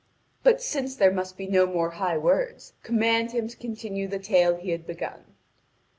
But since there must be no more high words, command him to continue the tale he had begun."